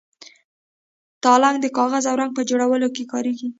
تالک د کاغذ او رنګ په جوړولو کې کاریږي.